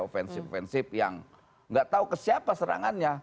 ofensif ofensif yang nggak tahu ke siapa serangannya